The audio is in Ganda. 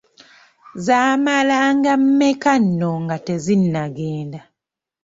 Zaamalanga mmeka nno nga tezinagenda!